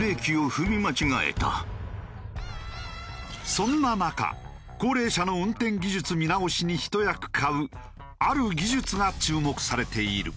そんな中高齢者の運転技術見直しに一役買うある技術が注目されている。